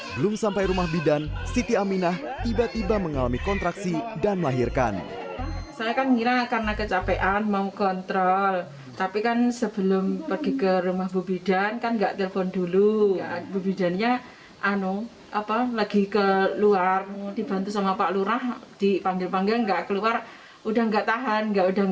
belum sampai rumah bidan siti aminah tiba tiba mengalami kontraksi dan melahirkan